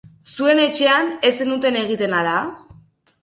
Zuen etxean ez zenuten egiten, ala?